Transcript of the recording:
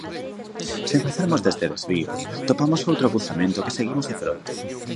Sen facermos este desvío, topamos outro cruzamento que seguimos de fronte.